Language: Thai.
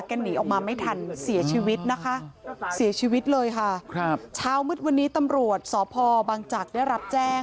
แก้หนีออกมาไม่ทันเสียชีวิตนะคะเสียชีวิตเลยค่ะ